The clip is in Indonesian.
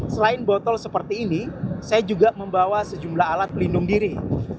selain botol seperti ini saya juga membawa sejumlah alat pelindung diri